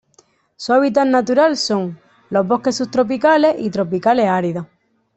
Su hábitat natural son: los bosques subtropicales y tropicales áridos.